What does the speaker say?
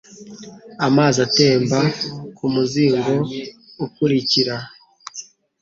amazi atemba kumuzingo ukurikira